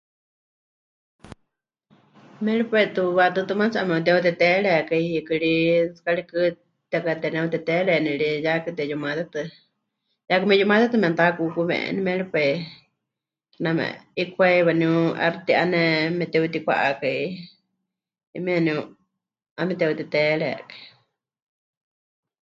Méripai tɨ wa'atɨɨ́tɨ maatsi 'emepɨteuteteerekai, hiikɨ ri tsɨ karikɨ tekateneuteteereni ri, yaakɨ teyumatetɨ, yaakɨ meyumatetɨ manitakukuweni, méripai kename 'ikwai waaníu 'aixɨ ti'aneme meteutikwá'akai, 'ayumieme waníu 'emeteuteteerekai.